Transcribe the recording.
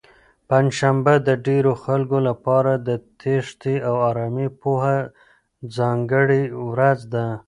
پنجشنبه د ډېرو خلکو لپاره د تېښتې او ارامۍ یوه ځانګړې ورځ ده.